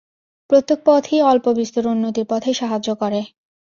প্রত্যেক পথই অল্পবিস্তর উন্নতির পথে সাহায্য করে।